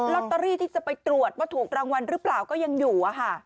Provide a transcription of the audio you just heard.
ลอตเตอรี่ที่จะไปตรวจว่าถูกรางวัลหรือเปล่าก็ยังอยู่